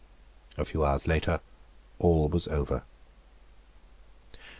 A few hours later all was over.